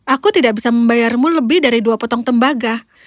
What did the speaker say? aku tidak bisa membayarmu lebih dari dua potong tembaga